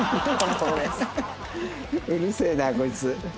うるせえなこいつ。